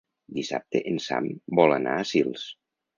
Dissabte en Sam vol anar a Sils.